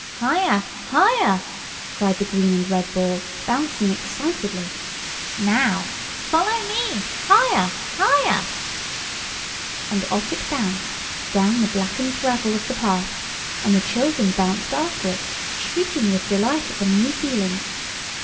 "Higher, higher," cried the green and red ball, bouncing excitedly. "Now, follow me, higher, higher." And off it bounced down the blackened gravel of the path, and the children bounced after it, shrieking with delight at the new feeling.